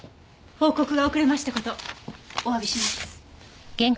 報告が遅れました事おわびします。